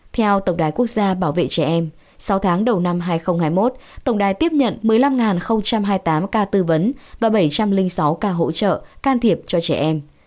theo tổng đài quốc gia bảo vệ trẻ em sáu tháng đầu năm hai nghìn hai mươi một tổng đài tiếp nhận một mươi năm hai mươi tám ca tư vấn và bảy trăm linh sáu ca hỗ trợ can thiệp cho trẻ em